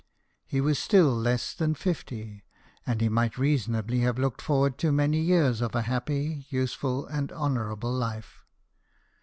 He was still less than fifty, and he might reasonably have looked forward to many years of a happy, useful, and honourable life.